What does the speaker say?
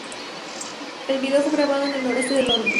El video fue grabado en el noroeste de Londres.